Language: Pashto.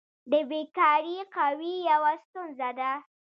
د بیکاري قوي یوه ستونزه ده.